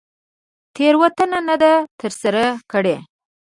تېروتنه نه ده تر سره کړې.